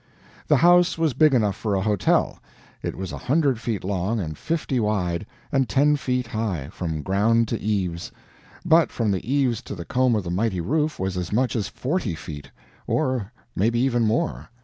The house was big enough for a hotel; it was a hundred feet long and fifty wide, and ten feet high, from ground to eaves; but from the eaves to the comb of the mighty roof was as much as forty feet, or maybe even more.